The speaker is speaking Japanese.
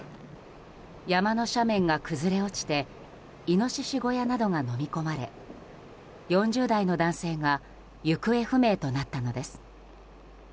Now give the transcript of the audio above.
山の斜面が崩れ落ちてイノシシ小屋などがのみ込まれ４０代の男性が行方不明となったのです。